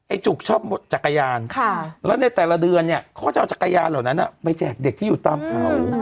จุกชอบจักรยานแล้วในแต่ละเดือนเนี่ยเขาจะเอาจักรยานเหล่านั้นไปแจกเด็กที่อยู่ตามเขา